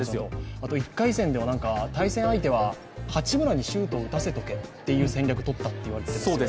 あと１回戦では対戦相手は八村にシュートを打たせておけという戦略をとったと言われていますね。